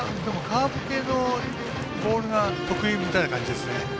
カーブ系のボールが得意みたいな感じですね。